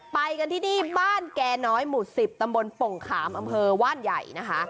ไปกันที่นี่บ้านแก่น้อยหมู่๑๐ตำบลปงขามอำเภอว่านใหญ่นะคะ